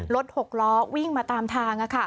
รถหกล้อวิ่งมาตามทาง